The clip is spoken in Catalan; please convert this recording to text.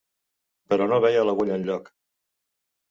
...però no veia l'agulla enlloc.